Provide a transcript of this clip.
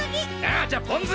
あ！じゃあポン酢！